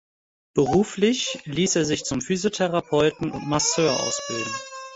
Beruflich ließ er sich zum Physiotherapeuten und Masseur ausbilden.